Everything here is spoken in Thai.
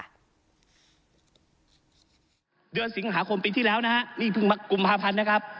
เดือนสิงหาคมปีที่แล้วนะฮะนี่เพิ่งมากุมภาพันธ์นะครับ